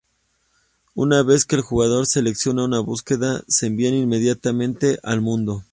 Una vez que el jugador selecciona una búsqueda, se envían inmediatamente al mundo.